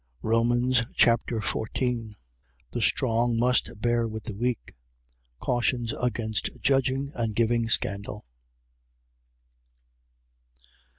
Romans Chapter 14 The strong must bear with the weak. Cautions against judging and giving scandal.